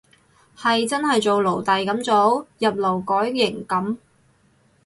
係真係做奴隸噉做，入勞改營噉